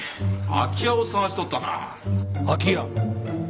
空き家？